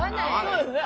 そうですね。